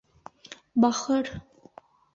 Бахыр!